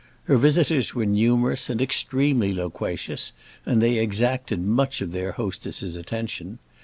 Her visitors were numerous and extremely loquacious, and they exacted much of their hostess's attention.